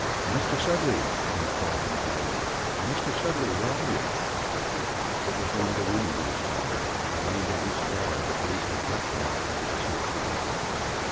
"Mr. Sudley!" came a call from the hallway. "Mr. Sudley, where are you?" It was one of the women who was calling, and, laying down his cigar, the policeman left the library to see what she wanted.